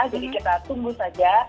jadi kita tunggu saja